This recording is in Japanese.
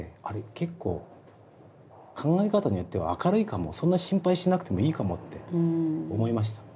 結構考え方によっては明るいかもそんな心配しなくてもいいかもって思いました。